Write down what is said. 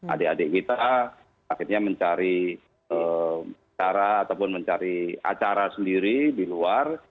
adik adik kita akhirnya mencari cara ataupun mencari acara sendiri di luar